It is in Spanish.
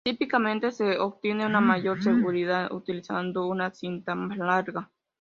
Típicamente, se obtiene una mayor seguridad utilizando una cinta más larga.